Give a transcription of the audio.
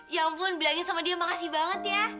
ya ampun bilangin sama dia makasih banget ya